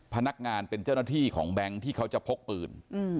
พนักงานเป็นเจ้าหน้าที่ของแบงค์ที่เขาจะพกปืน